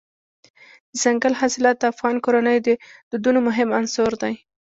دځنګل حاصلات د افغان کورنیو د دودونو مهم عنصر دی.